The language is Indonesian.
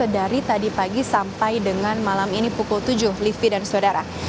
dari tadi pagi sampai dengan malam ini pukul tujuh livi dan saudara